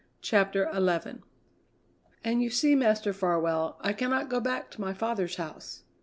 CHAPTER XI "And you see, Master Farwell, I cannot go back to my father's house."